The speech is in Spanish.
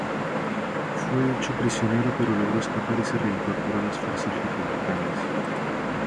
Fue hecho prisionero, pero logró escapar y se reincorporó a las fuerzas republicanas.